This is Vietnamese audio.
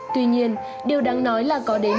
tuy nhiên điều đáng nói là có đến chín mươi